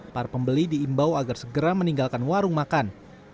para pembeli diimbau agar segera meninggalkan warung makan